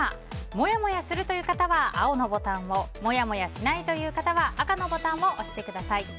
モヤモヤするという方は青のボタンをモヤモヤしないという方は赤のボタンを押してください。